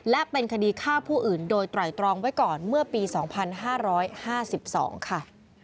และเป็นคดีฆ่าผู้อื่นโดยไตรตรองไว้ก่อนเมื่อปี๒๕๕๒ค่ะ